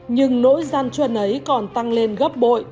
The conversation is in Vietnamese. nhưng nỗi gian truyền ấy còn tăng lên gấp bội